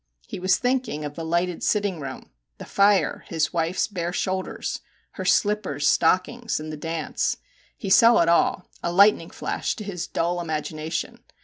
He was think ing of the lighted sitting room, the fire, his wife's bare shoulders, her slippers, stockings, and the dance. He saw it all a lightning flash to his dull imagination.